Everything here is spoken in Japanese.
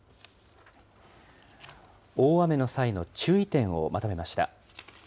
大雨の際の注意点をまとめました。